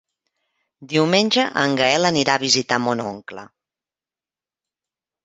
Diumenge en Gaël anirà a visitar mon oncle.